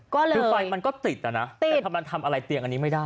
คือไฟมันก็ติดอ่ะนะแต่ทำไมทำอะไรเตียงอันนี้ไม่ได้